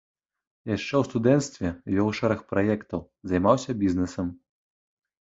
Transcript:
Яшчэ ў студэнцтве вёў шэраг праектаў, займаўся бізнесам.